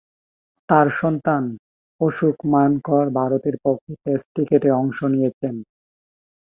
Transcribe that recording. তার সন্তান অশোক মানকড় ভারতের পক্ষে টেস্ট ক্রিকেটে অংশ নিয়েছেন।